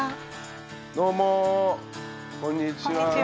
どうもこんにちは。